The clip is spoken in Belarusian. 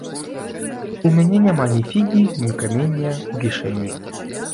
У мяне няма ні фігі ні каменя ў кішэні!